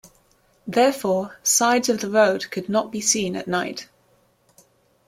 Therefore, sides of the road could not be seen at night.